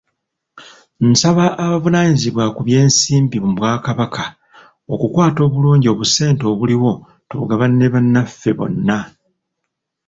Nsaba abavunaanyizibwa ku by'ensimbi mu bwa kabaka okukwata obulungi obusente obuliwo tubugabane ne bannaffe bonna.